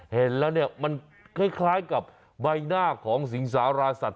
เห็นแล้วเนี่ยมันคล้ายกับใบหน้าของสิงสาราสัตว